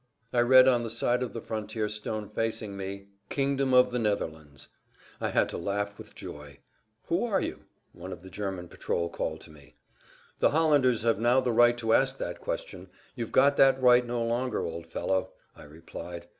I read on the side of the frontier stone facing me, "Koningrjk der Nederlanden" (Kingdom of the Netherlands). I had to laugh with joy. "Who are you?" one of the German patrol called to me. "The Hollanders have now the right to ask that question; you've got that right no longer, old fellow," I replied.